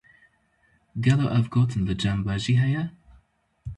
Gelo ev gotin li cem we jî heye?